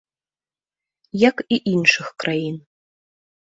Як і іншых краін.